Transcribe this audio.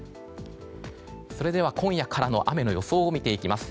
それでは今夜からの雨の予想を見ていきます。